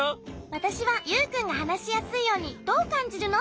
わたしはユウくんがはなしやすいように「どうかんじるの？」